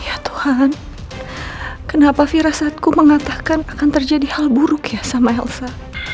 ya tuhan kenapa firasatku mengatakan akan terjadi hal buruk ya sama elsa